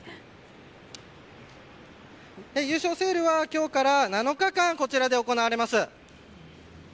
優勝セールは今日から７日間こちらで行われます。